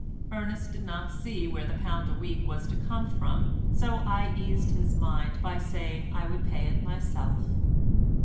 Ernest did not see where the pound a week was to come from, so I eased his mind by saying I would pay it myself.